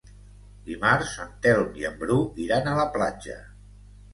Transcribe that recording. Dimarts en Telm i en Bru iran a la platja.